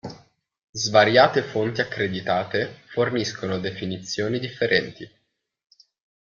Svariate fonti accreditate forniscono definizioni differenti.